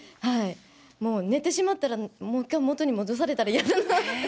もう寝てしまったら、もう一回元に戻されたらやだな。